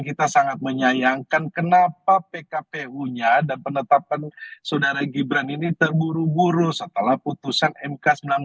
kita sangat menyayangkan kenapa pkpu nya dan penetapan saudara gibran ini terburu buru setelah putusan mk sembilan puluh lima